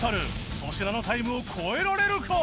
粗品のタイムを超えられるか？